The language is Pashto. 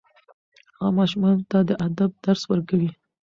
هغه ماشومانو ته د ادب درس ورکوي.